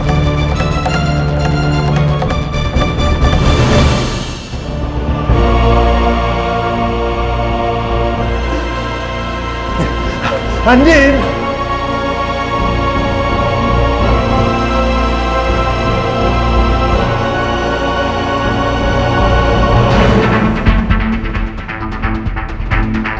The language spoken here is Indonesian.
apa di sini ya